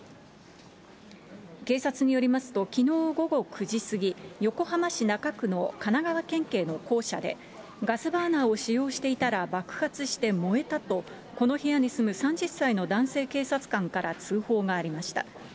警察によりますと、きのう午後９時過ぎ、横浜市中区の神奈川県警の公舎で、ガスバーナーを使用していたら爆発して燃えたと、この部屋に住む３０歳の男性警察官から通報がありました。